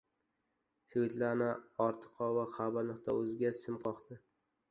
Svetlana Ortiqova «Xabar.uz»ga sim qoqdi